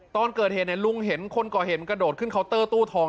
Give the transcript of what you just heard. ตอนเกิดเหตุลุงเห็นคนก่อเหตุมันกระโดดขึ้นเคาน์เตอร์ตู้ทอง